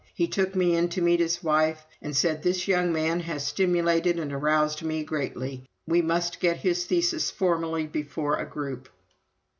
He took me in to meet his wife, and said: 'This young man has stimulated and aroused me greatly. We must get his thesis formally before a group.'"